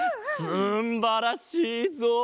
すんばらしいぞ！